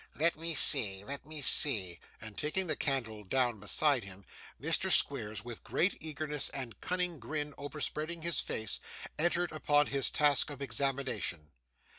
Let me see, let me see.' And taking the candle down beside him, Mr. Squeers, with great eagerness and a cunning grin overspreading his face, entered upon his task of examination.